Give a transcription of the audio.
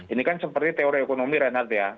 ini kan seperti teori ekonomi renat ya